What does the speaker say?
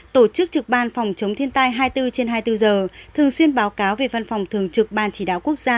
tổ chức trực ban phòng chống thiên tai hai mươi bốn trên hai mươi bốn giờ thường xuyên báo cáo về văn phòng thường trực ban chỉ đạo quốc gia